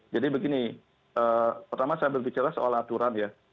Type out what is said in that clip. jadi begini pertama saya berbicara soal aturan ya